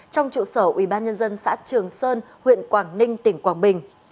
trong trụ sở ủy ban nhân dân xã trường sơn huyện quảng ninh tỉnh quảng bình